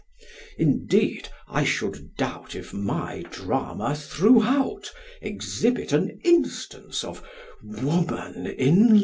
Indeed I should doubt if my drama throughout Exhibit an instance of woman in love!"